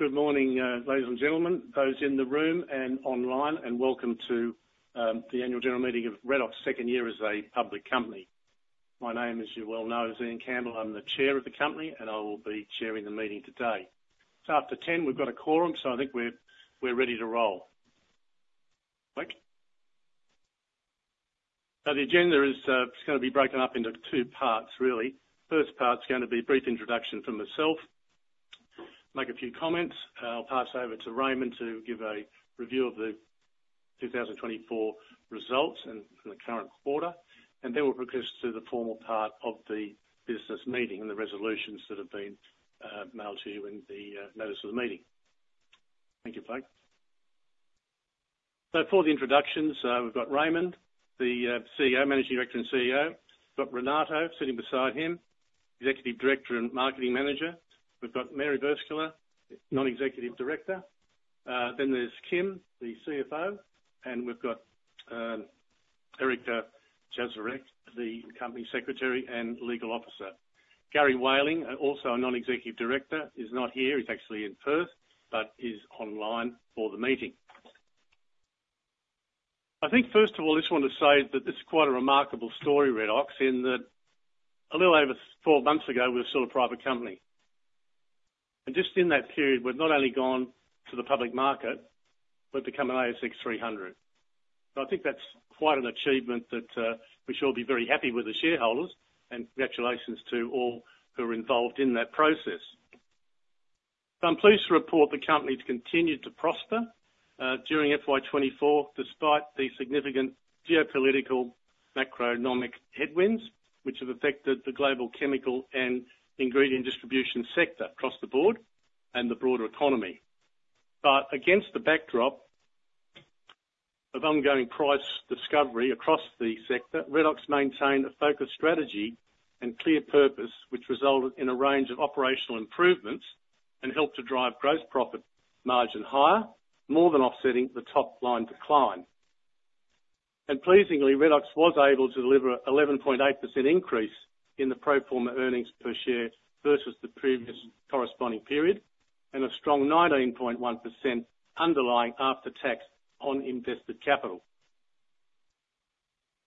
Well, good morning, ladies and gentlemen, those in the room and online, and welcome to the annual general meeting of Redox's second year as a public company. My name, as you well know, is Ian Campbell. I'm the Chair of the company, and I will be chairing the meeting today. It's after ten, we've got a quorum, so I think we're ready to roll. Thank you. So the agenda is, it's gonna be broken up into two parts, really. First part's gonna be a brief introduction from myself, make a few comments. I'll pass over to Raimondo to give a review of the two thousand and twenty-four results and the current quarter, and then we'll progress to the formal part of the business meeting and the resolutions that have been mailed to you in the notice of the meeting. Thank you, Blake. So for the introductions, we've got Raimondo, the CEO, Managing Director and CEO. We've got Renato sitting beside him, Executive Director and Marketing Manager. We've got Mary Verschuer, Non-Executive Director. Then there's Kim, the CFO, and we've got Erica Jayasuriya, the Company Secretary and Legal Officer. Garry Wahlquist, also a Non-Executive Director, is not here. He's actually in Perth, but is online for the meeting. I think, first of all, I just wanted to say that this is quite a remarkable story, Redox, in that a little over four months ago, we were still a private company. And just in that period, we've not only gone to the public market, but become an ASX 300. So I think that's quite an achievement that we should all be very happy with the shareholders, and congratulations to all who are involved in that process. I'm pleased to report the company's continued to prosper during FY24, despite the significant geopolitical macroeconomic headwinds, which have affected the global chemical and ingredient distribution sector across the board and the broader economy. Against the backdrop of ongoing price discovery across the sector, Redox maintained a focused strategy and clear purpose, which resulted in a range of operational improvements and helped to drive gross profit margin higher, more than offsetting the top-line decline. Pleasingly, Redox was able to deliver an 11.8% increase in the pro forma earnings per share versus the previous corresponding period, and a strong 19.1% underlying after-tax on invested capital.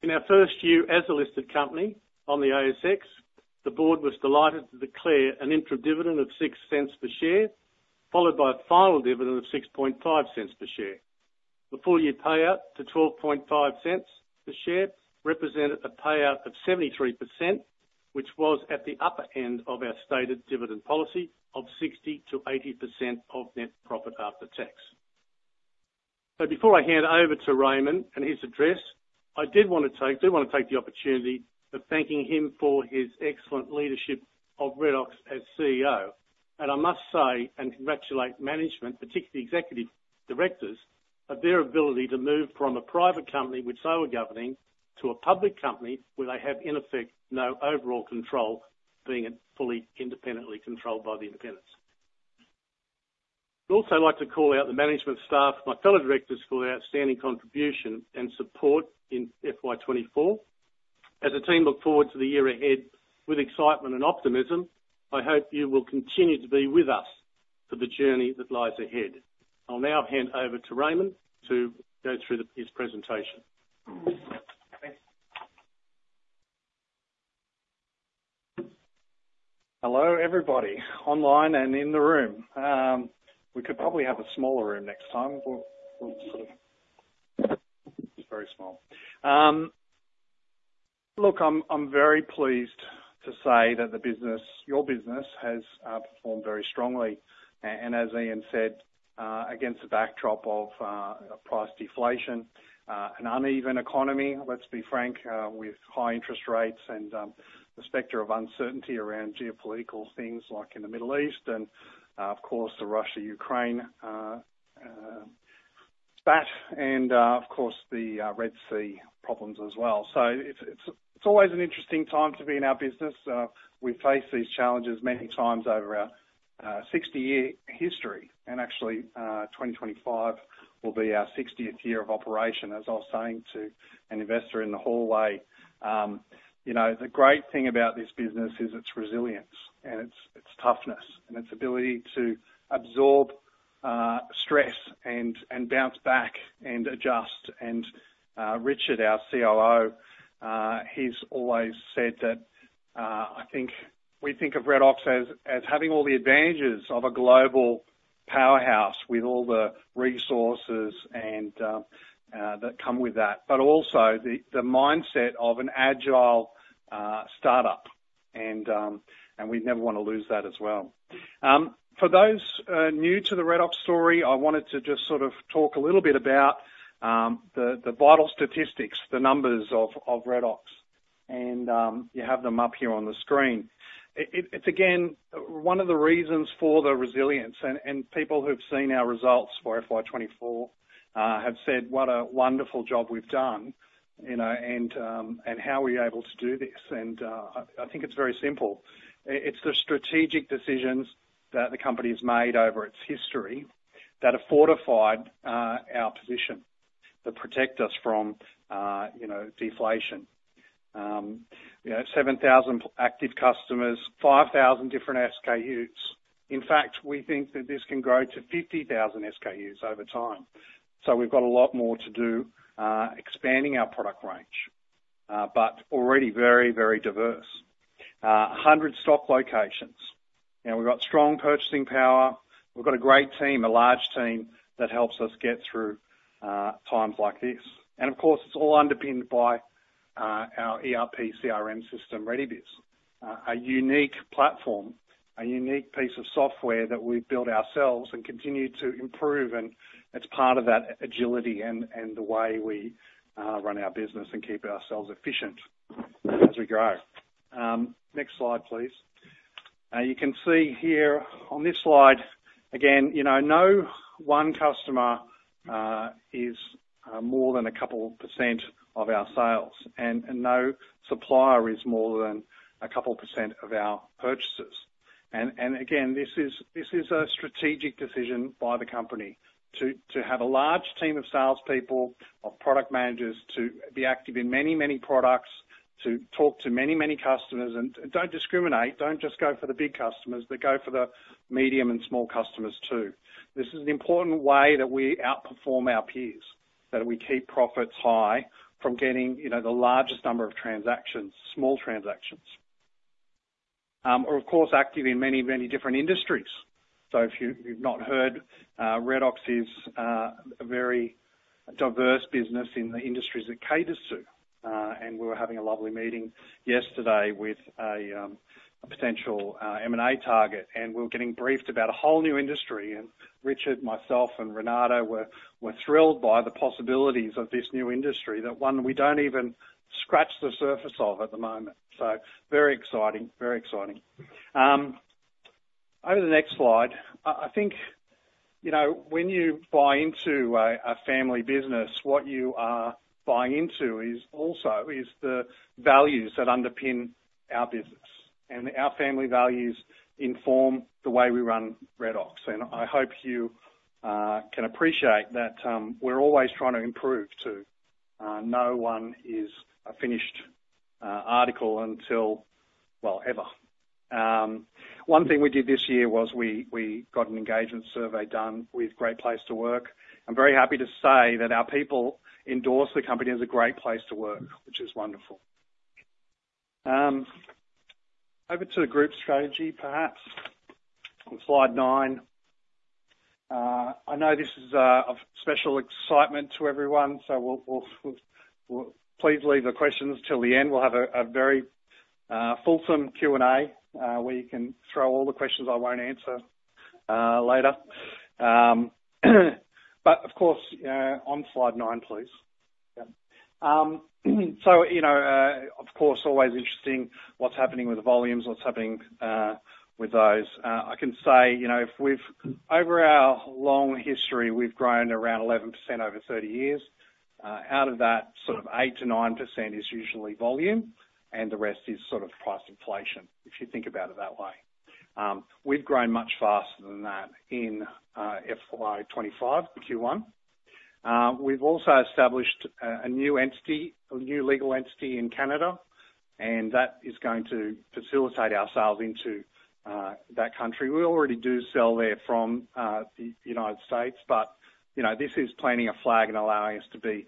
In our first year as a listed company on the ASX, the board was delighted to declare an interim dividend of 0.06 per share, followed by a final dividend of 0.065 per share. The full-year payout to 0.125 per share represented a payout of 73%, which was at the upper end of our stated dividend policy of 60%-80% of net profit after tax. So before I hand over to Raimondo and his address, I do wanna take the opportunity of thanking him for his excellent leadership of Redox as CEO. And I must say, and congratulate management, particularly executive directors, of their ability to move from a private company, which they were governing, to a public company, where they have, in effect, no overall control, being fully independently controlled by the independents. I'd also like to call out the management staff, my fellow directors, for their outstanding contribution and support in FY twenty-four. As the team look forward to the year ahead with excitement and optimism, I hope you will continue to be with us for the journey that lies ahead. I'll now hand over to Raimondo to go through his presentation. Hello, everybody, online and in the room. We could probably have a smaller room next time. We're sort of... It's very small. Look, I'm very pleased to say that the business, your business, has performed very strongly, and as Ian said, against the backdrop of price deflation, an uneven economy. Let's be frank, with high interest rates and the specter of uncertainty around geopolitical things like in the Middle East, and of course, the Russia-Ukraine spat, and of course, the Red Sea problems as well. So it's always an interesting time to be in our business. We've faced these challenges many times over our sixty-year history, and actually, twenty twenty-five will be our sixtieth year of operation. As I was saying to an investor in the hallway, you know, the great thing about this business is its resilience and its toughness and its ability to absorb stress and bounce back and adjust. And Richard, our COO, he's always said that, "I think we think of Redox as having all the advantages of a global powerhouse with all the resources and that come with that, but also the mindset of an agile startup." And we'd never wanna lose that as well. For those new to the Redox story, I wanted to just sort of talk a little bit about the vital statistics, the numbers of Redox, and you have them up here on the screen. It's again one of the reasons for the resilience, and people who've seen our results for FY24 have said what a wonderful job we've done, you know, and how we're able to do this, and I think it's very simple. It's the strategic decisions that the company's made over its history that have fortified our position that protect us from you know, deflation. You know, 7,000 active customers, 5,000 different SKUs. In fact, we think that this can grow to 50,000 SKUs over time. So we've got a lot more to do, expanding our product range, but already very, very diverse. 100 stock locations, and we've got strong purchasing power. We've got a great team, a large team, that helps us get through times like this. And of course, it's all underpinned by our ERP/CRM system, Redebiz. A unique platform, a unique piece of software that we built ourselves and continue to improve, and it's part of that agility and the way we run our business and keep ourselves efficient as we grow. Next slide, please. You can see here on this slide, again, you know, no one customer is more than a couple% of our sales, and no supplier is more than a couple% of our purchases. And again, this is a strategic decision by the company to have a large team of salespeople, of product managers, to be active in many, many products, to talk to many, many customers, and don't discriminate, don't just go for the big customers, but go for the medium and small customers, too. This is an important way that we outperform our peers, that we keep profits high from getting, you know, the largest number of transactions, small transactions. We're of course active in many, many different industries. So if you've not heard, Redox is a very diverse business in the industries it caters to. And we were having a lovely meeting yesterday with a potential M&A target, and we were getting briefed about a whole new industry. And Richard, myself, and Renato were thrilled by the possibilities of this new industry, that one we don't even scratch the surface of at the moment. So very exciting, very exciting. Over to the next slide. I think, you know, when you buy into a family business, what you are buying into is also the values that underpin our business, and our family values inform the way we run Redox. I hope you can appreciate that, we're always trying to improve, too. No one is a finished article until... well, ever. One thing we did this year was we got an engagement survey done with Great Place to Work. I'm very happy to say that our people endorse the company as a great place to work, which is wonderful. Over to the group strategy, perhaps on slide nine. I know this is of special excitement to everyone, so we'll please leave the questions till the end. We'll have a very fulsome Q&A where you can throw all the questions I won't answer later. But of course, on slide nine, please. Yeah. So you know, of course, always interesting what's happening with the volumes, what's happening with those. I can say, you know, over our long history, we've grown around 11% over 30 years. Out of that, sort of 8-9% is usually volume, and the rest is sort of price inflation, if you think about it that way. We've grown much faster than that in FY25 Q1. We've also established a new entity, a new legal entity in Canada, and that is going to facilitate our sales into that country. We already do sell there from the United States, but, you know, this is planting a flag and allowing us to be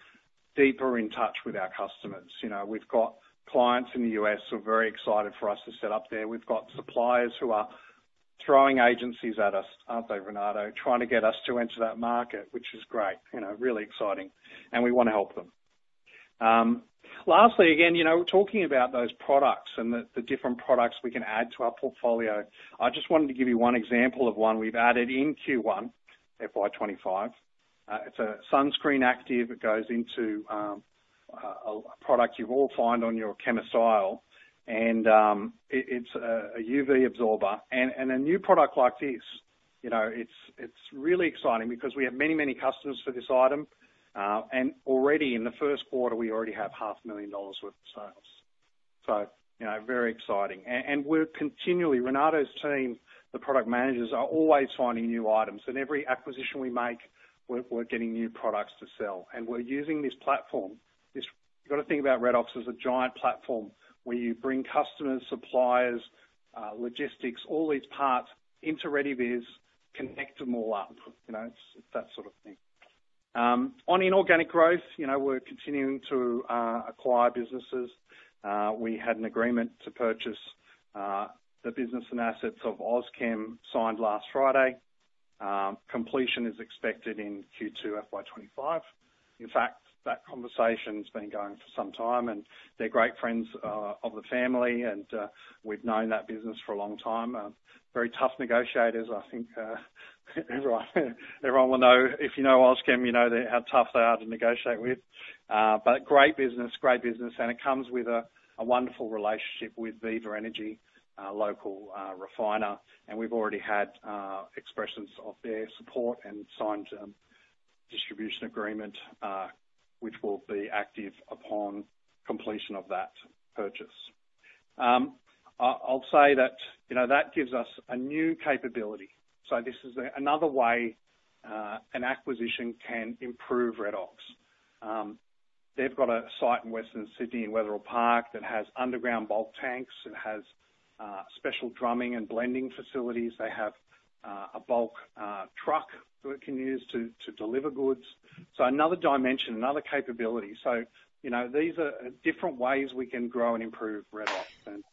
deeper in touch with our customers. You know, we've got clients in the US who are very excited for us to set up there. We've got suppliers who are throwing agencies at us, aren't they, Renato? Trying to get us to enter that market, which is great, you know, really exciting, and we wanna help them. Lastly, again, you know, talking about those products and the different products we can add to our portfolio, I just wanted to give you one example of one we've added in Q1, FY twenty-five. It's a sunscreen active. It goes into a product you all find on your chemist aisle, and it is a UV absorber. A new product like this, you know, it's really exciting because we have many customers for this item, and already in the first quarter, we already have 500,000 dollars worth of sales. So, you know, very exciting. And we're continually, Renato's team, the product managers, are always finding new items, and every acquisition we make, we're getting new products to sell, and we're using this platform. You've got to think about Redox as a giant platform where you bring customers, suppliers, logistics, all these parts into Redebiz, connect them all up. You know, it's that sort of thing. On inorganic growth, you know, we're continuing to acquire businesses. We had an agreement to purchase the business and assets of Auschem, signed last Friday. Completion is expected in Q2 FY25. In fact, that conversation's been going for some time, and they're great friends of the family, and we've known that business for a long time. Very tough negotiators. I think everyone will know, if you know Auschem, you know how tough they are to negotiate with. But great business, great business, and it comes with a wonderful relationship with Viva Energy, a local refiner, and we've already had expressions of their support and signed a distribution agreement, which will be active upon completion of that purchase. I'll say that, you know, that gives us a new capability, so this is another way an acquisition can improve Redox. They've got a site in Western Sydney, in Wetherill Park, that has underground bulk tanks. It has special drumming and blending facilities. They have a bulk truck that it can use to deliver goods. So another dimension, another capability. So, you know, these are different ways we can grow and improve Redox, and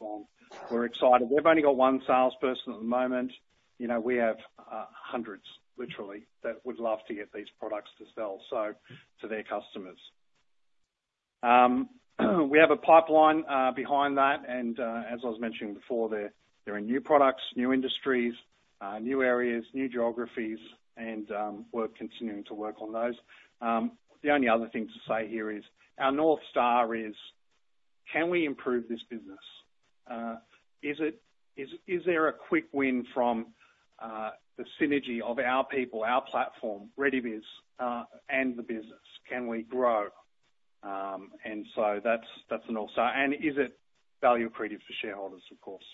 we're excited. They've only got one salesperson at the moment. You know, we have hundreds, literally, that would love to get these products to sell, so to their customers. We have a pipeline behind that, and as I was mentioning before, there are new products, new industries, new areas, new geographies, and we're continuing to work on those. The only other thing to say here is, our North Star is: Can we improve this business? Is it, is there a quick win from the synergy of our people, our platform, Redebiz, and the business? Can we grow? And so that's a North Star, and is it value accretive for shareholders, of course.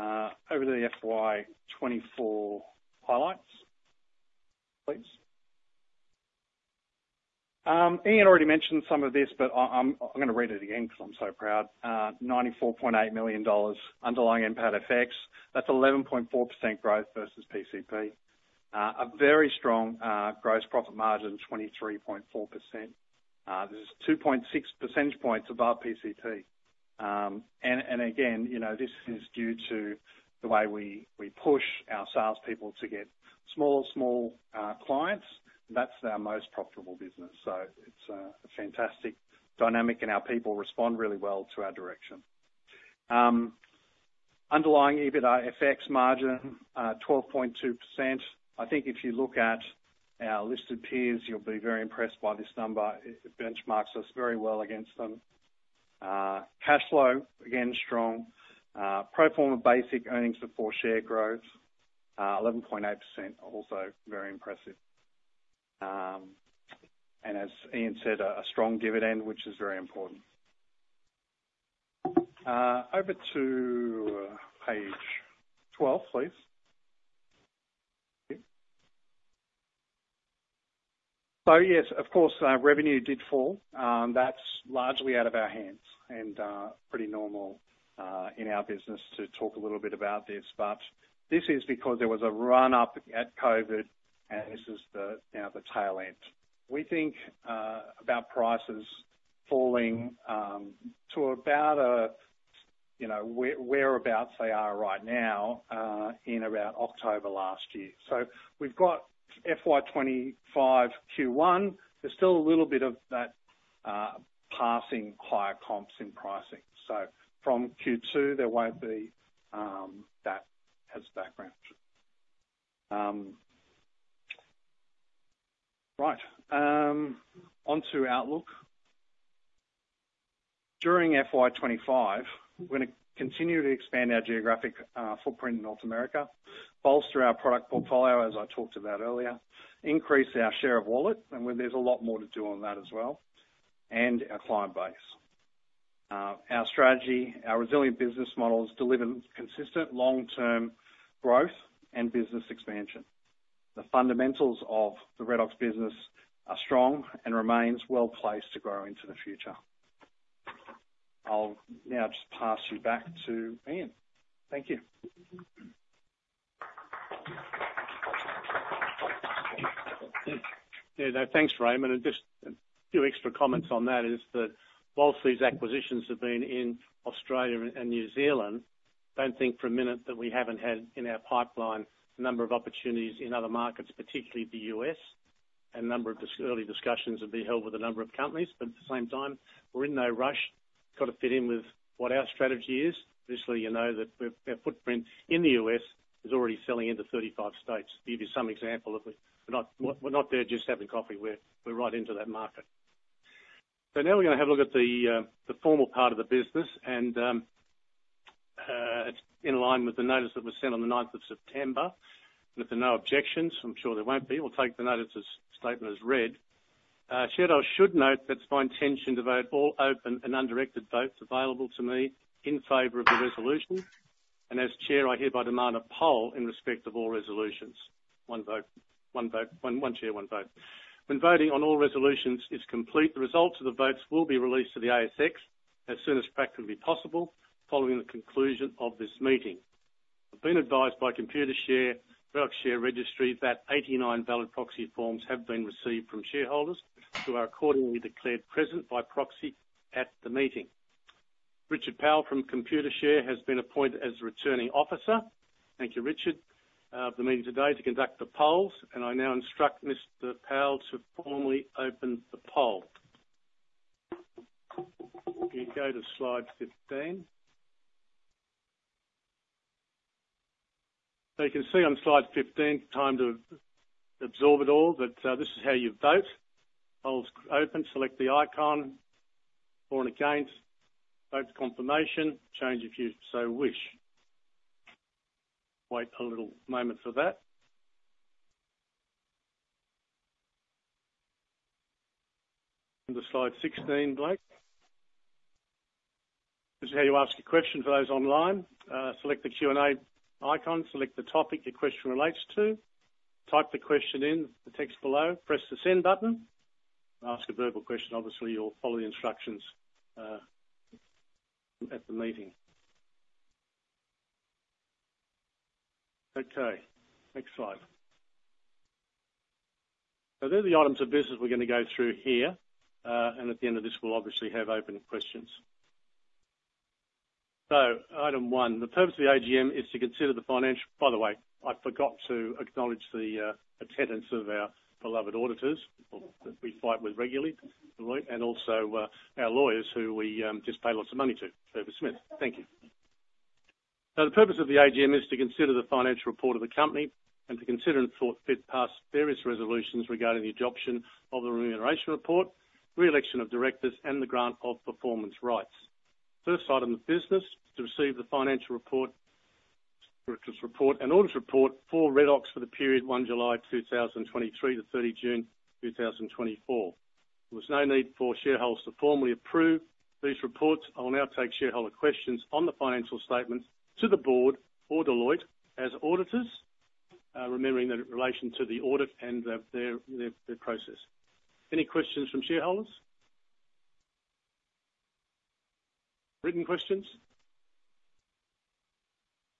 Over to the FY24 highlights, please. Ian already mentioned some of this, but I'm gonna read it again because I'm so proud. 94.8 million dollars underlying NPAT FX. That's 11.4% growth versus PCP. A very strong gross profit margin, 23.4%. This is 2.6 percentage points above PCP. And again, you know, this is due to the way we push our salespeople to get small clients, and that's our most profitable business. So it's a fantastic dynamic, and our people respond really well to our direction. Underlying EBITDA FX margin, 12.2%. I think if you look at our listed peers, you'll be very impressed by this number. It benchmarks us very well against them. Cash flow, again, strong. Pro forma basic earnings per share growth, 11.8%, also very impressive. And as Ian said, a strong dividend, which is very important. Over to page 12, please. Thank you. So yes, of course, revenue did fall. That's largely out of our hands and pretty normal in our business to talk a little bit about this, but this is because there was a run-up at COVID, and this is now the tail end. We think about prices falling to about a, you know, where they are right now in around October last year. So we've got FY25 Q1. There's still a little bit of that passing higher comps in pricing. So from Q2, there won't be that as background. Right. Onto outlook. During FY25, we're gonna continue to expand our geographic footprint in North America, bolster our product portfolio, as I talked about earlier, increase our share of wallet, and well, there's a lot more to do on that as well, and our client base. Our strategy, our resilient business models deliver consistent long-term growth and business expansion. The fundamentals of the Redox business are strong and remains well placed to grow into the future. I'll now just pass you back to Ian. Thank you. Yeah, no, thanks, Raimondo, and just a few extra comments on that is that while these acquisitions have been in Australia and New Zealand, don't think for a minute that we haven't had in our pipeline a number of opportunities in other markets, particularly the U.S., and a number of early discussions have been held with a number of companies, but at the same time, we're in no rush. Got to fit in with what our strategy is. Obviously, you know that we're our footprint in the U.S. is already selling into 35 states. To give you some example of, we're not there just having coffee. We're right into that market. So now we're gonna have a look at the formal part of the business, and it's in line with the notice that was sent on the 9th of September, and if there are no objections, I'm sure there won't be, we'll take the notice as read. Shareholders should note that it's my intention to vote all open and undirected votes available to me in favor of the resolution, and as chair, I hereby demand a poll in respect of all resolutions. One vote, one vote, one, one chair, one vote. When voting on all resolutions is complete, the results of the votes will be released to the ASX as soon as practically possible, following the conclusion of this meeting. I've been advised by Computershare, Redox share registry, that 89 valid proxy forms have been received from shareholders, who are accordingly declared present by proxy at the meeting. Richard Powell from Computershare has been appointed as the Returning Officer, thank you, Richard, of the meeting today to conduct the polls, and I now instruct Mr. Powell to formally open the poll. If you go to slide 15, so you can see on slide 15, time to absorb it all, but, this is how you vote. Polls open, select the icon, for and against, vote confirmation, change if you so wish. Wait a little moment for that. On to slide 16, Blake. This is how you ask a question for those online. Select the Q&A icon, select the topic your question relates to, type the question in the text below, press the Send button. And to ask a verbal question, obviously, you'll follow the instructions at the meeting. Okay, next slide. So there are the items of business we're going to go through here. And at the end of this, we'll obviously have open questions. So item one: The purpose of the AGM is to consider the financial... By the way, I forgot to acknowledge the attendance of our beloved auditors, who we fight with regularly, Deloitte, and also our lawyers, who we just pay lots of money to, Herbert Smith Freehills. Thank you. So the purpose of the AGM is to consider the financial report of the company and to consider and thought fit pass various resolutions regarding the adoption of the remuneration report, re-election of directors, and the grant of performance rights. First item of business, to receive the financial report, director's report, and audit report for Redox for the period one July two thousand twenty-three to thirty June two thousand twenty-four. There was no need for shareholders to formally approve these reports. I will now take shareholder questions on the financial statements to the board or Deloitte as auditors, remembering that in relation to the audit and, their process. Any questions from shareholders? Written questions?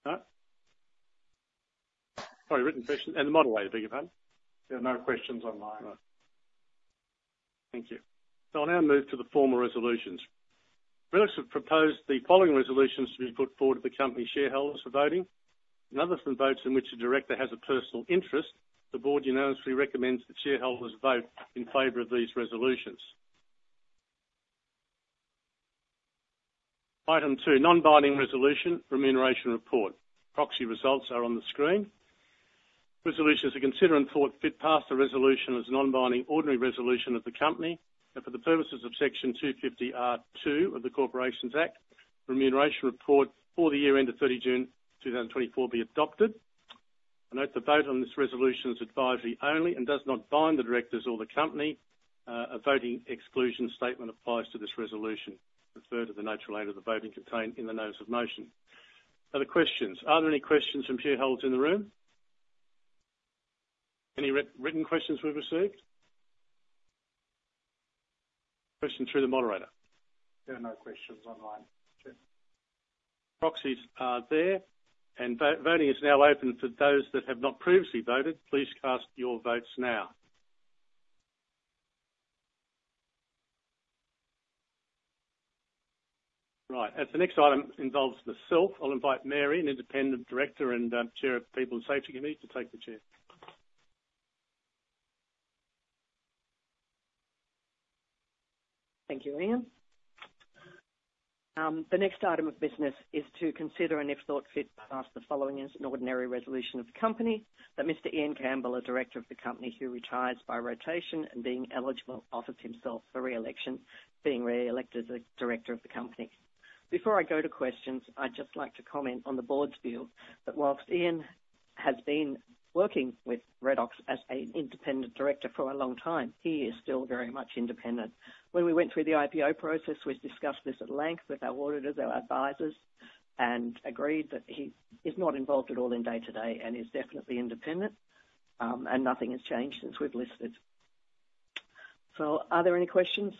No? Sorry, written questions and the moderator, beg your pardon. There are no questions online. Right. Thank you. So I'll now move to the formal resolutions. Redox have proposed the following resolutions to be put forward to the company shareholders for voting. And other than votes in which a director has a personal interest, the board unanimously recommends that shareholders vote in favor of these resolutions. Item 2, non-binding resolution, remuneration report. Proxy results are on the screen. Resolution is to consider and, if thought fit, pass the resolution as a non-binding ordinary resolution of the company, and for the purposes of Section 250R(2) of the Corporations Act, remuneration report for the year ended 30 June 2024 be adopted. I note the vote on this resolution is advisory only and does not bind the directors or the company. A voting exclusion statement applies to this resolution, referred to the nature and length of the voting contained in the notice of motion. Are there questions? Are there any questions from shareholders in the room? Any written questions we've received? Questions through the moderator? There are no questions online. Proxies are there, and voting is now open for those that have not previously voted. Please cast your votes now. Right, as the next item involves the self, I'll invite Mary, an independent director and Chair of the People and Safety Committee, to take the chair. Thank you, Ian. The next item of business is to consider, and if thought fit, pass the following as an ordinary resolution of the company, that Mr. Ian Campbell, a director of the company, who retires by rotation and being eligible, offers himself for re-election, being re-elected as a director of the company. Before I go to questions, I'd just like to comment on the board's view, that while Ian has been working with Redox as an independent director for a long time, he is still very much independent. When we went through the IPO process, we've discussed this at length with our auditors, our advisors, and agreed that he is not involved at all in day-to-day and is definitely independent, and nothing has changed since we've listed. So are there any questions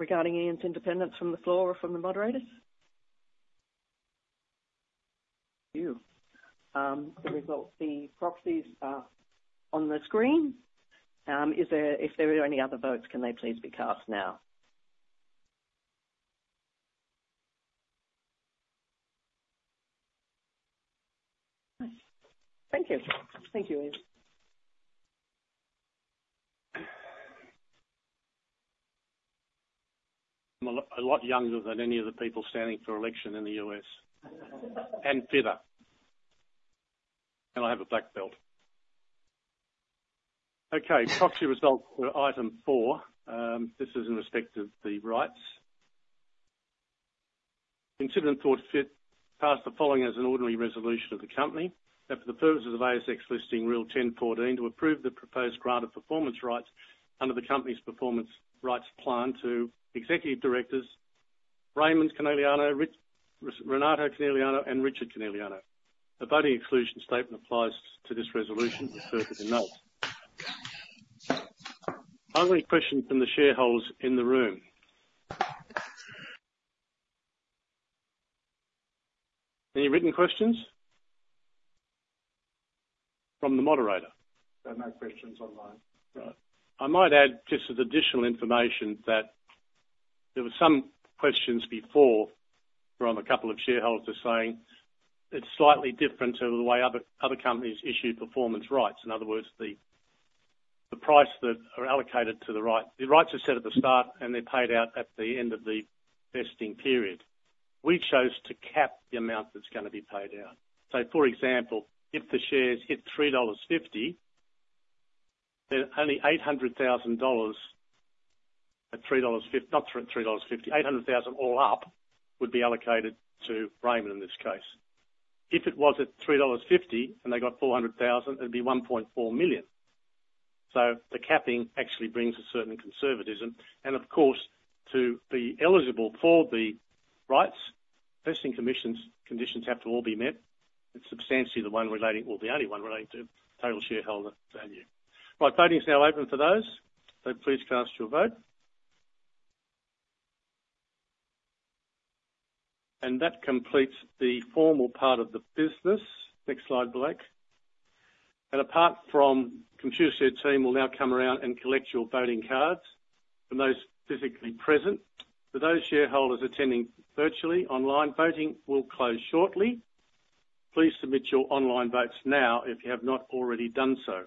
regarding Ian's independence from the floor or from the moderators? You. The results, the proxies are on the screen. Is there... If there are any other votes, can they please be cast now? Thank you. Thank you, Ian. I'm a lot, a lot younger than any of the people standing for election in the US, and fitter, and I have a black belt. Okay, proxy results for item four. This is in respect of Resolution 4. Consider and thought fit, pass the following as an ordinary resolution of the company, that for the purposes of ASX Listing Rule 10.14, to approve the proposed grant of performance rights under the company's performance rights plan to executive directors Raimondo Coniglio, Renato Coniglio, and Richard Coniglio. The voting exclusion statement applies to this resolution, as referred to in the notes. Are there any questions from the shareholders in the room? Any written questions from the moderator? There are no questions online. Right. I might add just as additional information, that there were some questions before from a couple of shareholders saying it's slightly different to the way other, other companies issue performance rights. In other words, the, the price that are allocated to the right. The rights are set at the start, and they're paid out at the end of the vesting period. We chose to cap the amount that's going to be paid out. So for example, if the shares hit 3.50 dollars, then only 800,000 dollars- at 3.05 dollars- not three, at 3.50, 800,000 all up, would be allocated to Raimondo in this case. If it was at 3.50 dollars, and they got 400,000, it'd be 1.4 million. So the capping actually brings a certain conservatism, and of course, to be eligible for the rights, listing conditions have to all be met, and substantially the one relating or the only one relating to total shareholder value. Right, voting is now open for those, so please cast your vote. And that completes the formal part of the business. Next slide, Blake. And the Computershare team will now come around and collect your voting cards from those physically present. For those shareholders attending virtually, online voting will close shortly. Please submit your online votes now, if you have not already done so.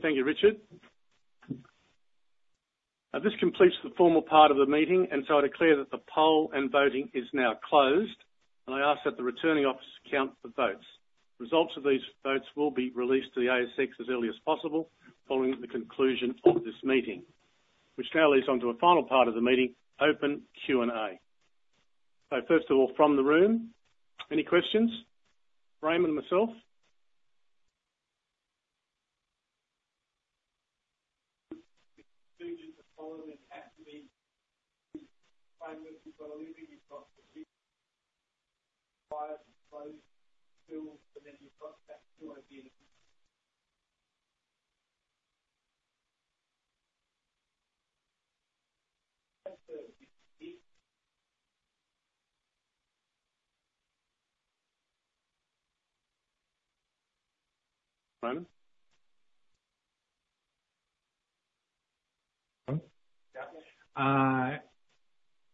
Thank you, Richard. This completes the formal part of the meeting, and so I declare that the poll and voting is now closed, and I ask that the returning officer count the votes. Results of these votes will be released to the ASX as early as possible, following the conclusion of this meeting. Which now leads on to a final part of the meeting, open Q&A. So first of all, from the room, any questions? Raimondo, myself. The procedures are followed, and it has to be claimed that you've got a living, you've got to keep prior to close, and then you've got that idea.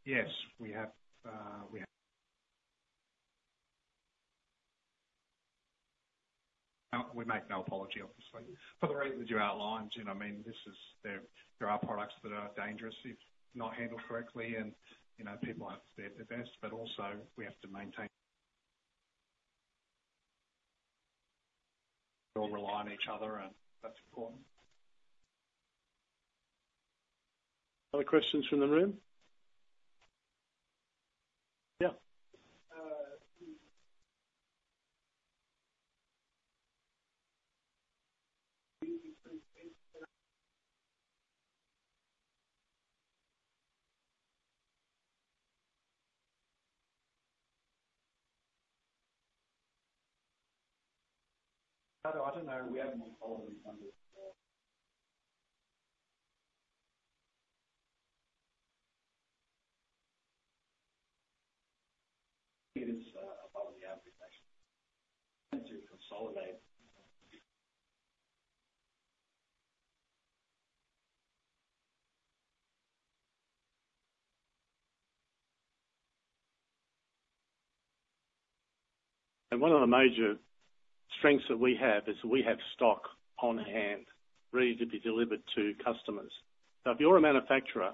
Yes, we have. We make no apology, obviously, for the reasons you outlined. You know what I mean? This is, there are products that are dangerous if not handled correctly, and, you know, people have their best, but also we have to maintain. We all rely on each other, and that's important. Other questions from the room? Yeah. I don't know. We have to consolidate. And one of the major strengths that we have is we have stock on hand ready to be delivered to customers. So if you're a manufacturer,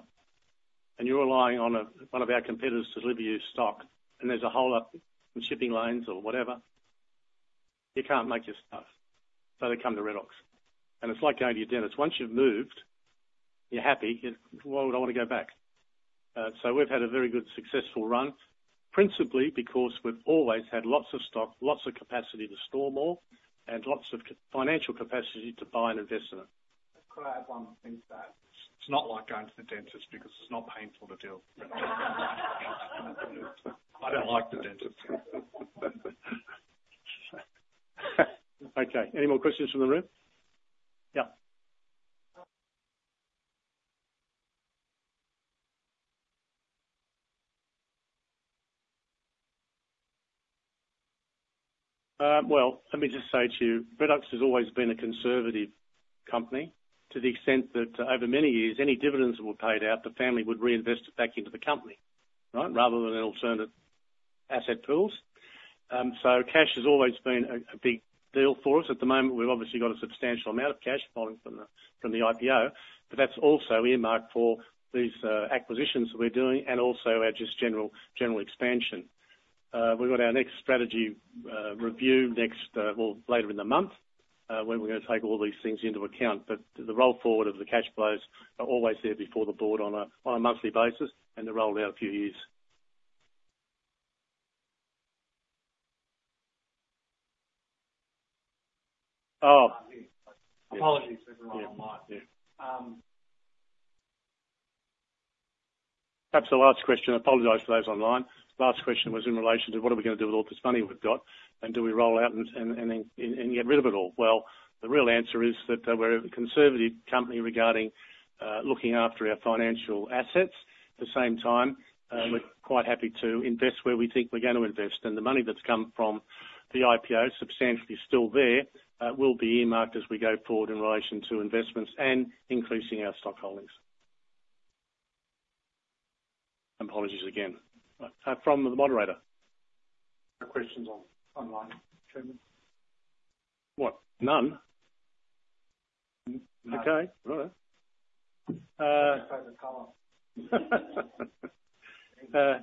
and you're relying on one of our competitors to deliver you stock, and there's a holdup in shipping lanes or whatever, you can't make your stuff, so they come to Redox. And it's like going to your dentist. Once you've moved, you're happy. Why would I wanna go back? So we've had a very good, successful run, principally because we've always had lots of stock, lots of capacity to store more, and lots of financial capacity to buy and invest in it. Could I add one thing to that? It's not like going to the dentist because it's not painful to deal with. I don't like the dentist. Okay, any more questions from the room? Yeah. Well, let me just say to you, Redox has always been a conservative company, to the extent that over many years, any dividends that were paid out, the family would reinvest it back into the company, right? Rather than alternative asset pools. So cash has always been a big deal for us. At the moment, we've obviously got a substantial amount of cash following from the IPO, but that's also earmarked for these acquisitions we're doing, and also our just general expansion. We've got our next strategy review next, well, later in the month, when we're gonna take all these things into account. But the roll forward of the cash flows are always there before the board on a monthly basis, and they're rolled out a few years. Oh- Apologies everyone online. Yeah, yeah. Perhaps the last question, I apologize for those online. Last question was in relation to what are we gonna do with all this money we've got? And do we roll out and then get rid of it all? Well, the real answer is that we're a conservative company regarding looking after our financial assets. At the same time, we're quite happy to invest where we think we're gonna invest, and the money that's come from the IPO, substantially still there, will be earmarked as we go forward in relation to investments and increasing our stock holdings. Apologies again. From the moderator. No questions online, Chairman. What? None? No. Okay. Right. Take the call.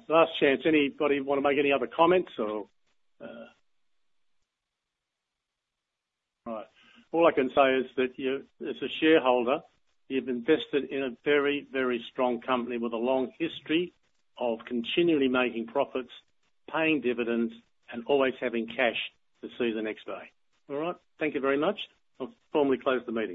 Last chance. Anybody wanna make any other comments, or... All right. All I can say is that you, as a shareholder, you've invested in a very, very strong company with a long history of continually making profits, paying dividends, and always having cash to see the next day. All right? Thank you very much. I'll formally close the meeting.